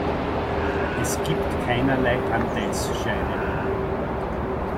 Es gibt keinerlei Anteilsscheine.